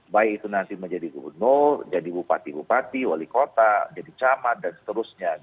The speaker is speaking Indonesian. baik itu nanti menjadi gubernur jadi bupati bupati wali kota jadi camat dan seterusnya